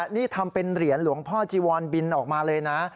นี่ทำเป็นเหรียญหลวงพ่อจีวรบินออกมาเลยนะ